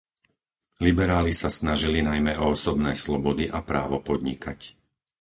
Liberáli sa snažili najmä o osobné slobody a právo podnikať.